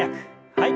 はい。